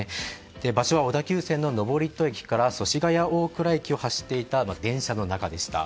場所は小田急線の登戸駅から祖師ヶ谷大蔵駅を走っていた電車の中でした。